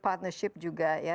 partnership juga ya